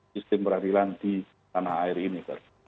sistem peradilan di tanah air ini